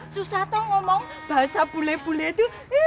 susah tuh ngomong bahasa bule bule itu